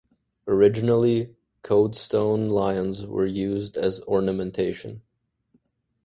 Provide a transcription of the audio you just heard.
Originally, Coade-stone lions were used as ornamentation.